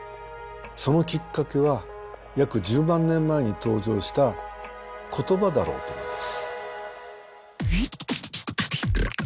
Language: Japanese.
そのきっかけは約１０万年前に登場した言葉だろうと思います。